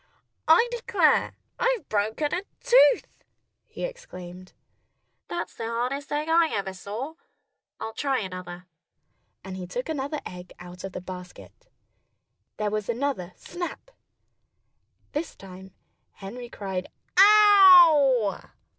"I declare, I've broken a tooth!" he exclaimed. "That's the hardest egg I ever saw. I'll try another." And he took another egg out of the basket. There was another snap! This time Henry cried "Ow!"